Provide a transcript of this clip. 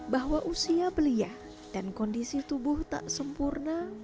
bahwa usia belia dan kondisi tubuh tak sempurna